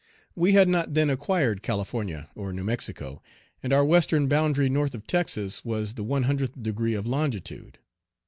We had not then acquired California or New Mexico, and our western boundary north of Texas was the one hundredth degree of longitude.